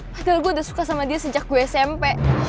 padahal gue udah suka sama dia sejak gue smp